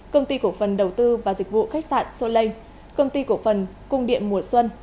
công ty cổ phần đầu tư và dịch vụ khách sạn solei công ty cổ phần cung điện mùa xuân